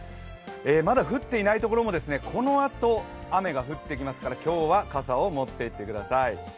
また降っていないところもこのあと、雨が降ってきますから今日は傘を持っていってください。